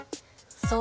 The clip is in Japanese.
そう。